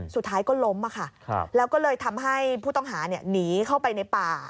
สุดท้ายก็ล้มแล้วก็เลยทำให้ผู้ต้องหาหนีเข้าไปในป่า